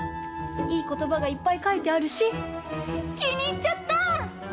いいことばがいっぱいかいてあるしきにいっちゃった！